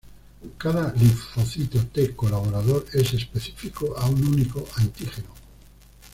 Cada linfocito T colaborador es específico a un único antígeno.